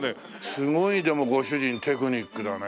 すごいでもご主人テクニックだね。